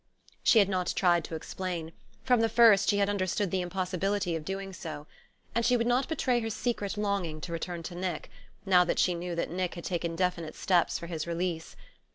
She had not tried to explain; from the first, she had understood the impossibility of doing so. And she would not betray her secret longing to return to Nick, now that she knew that Nick had taken definite steps for his release.